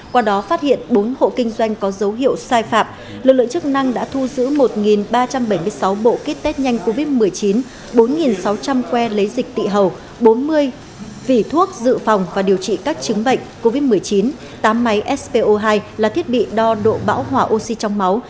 qua đó phát hiện bốn hộ kinh doanh có dấu hiệu sai phạm lực lượng chức năng đã thu giữ một ba trăm bảy mươi sáu bộ kit test nhanh covid một mươi chín bốn sáu trăm linh que lấy dịch tị hầu bốn mươi vỉ thuốc dự phòng và điều trị các chứng bệnh covid một mươi chín tám máy spo hai là thiết bị đo độ bão hỏa oxy trong máu